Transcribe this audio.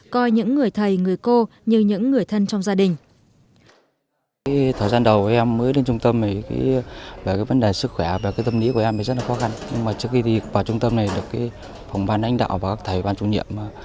coi những người thầy người cô như những người thân trong gia đình